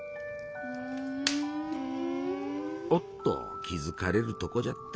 おっと気付かれるとこじゃった。